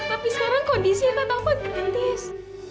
tapi sekarang kondisi kak taufan kritis